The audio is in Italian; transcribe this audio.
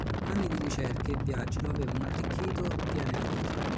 Anni di ricerche e viaggi lo avevano arricchito di aneddoti.